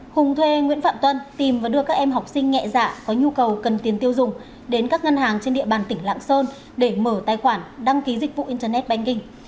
hùng thuê nguyễn phạm tuân tìm và đưa các em học sinh nhẹ dạ có nhu cầu cần tiền tiêu dùng đến các ngân hàng trên địa bàn tỉnh lạng sơn để mở tài khoản đăng ký dịch vụ internet banking